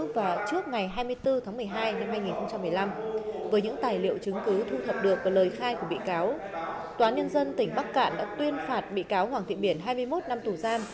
trước ngày hai mươi bốn tháng một mươi hai năm hai nghìn một mươi năm với những tài liệu chứng cứ thu thập được và lời khai của bị cáo tòa nhân dân tỉnh bắc cạn đã tuyên phạt bị cáo hoàng thị biển hai mươi một năm tù giam